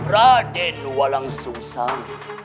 raden walau susah